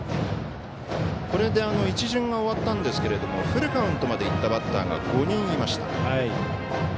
これで１巡終わったんですがフルカウントまでいったバッターが５人いました。